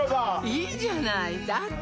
いいじゃないだって